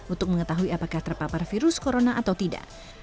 untuk mengetahui apakah terpapar virus corona atau tidak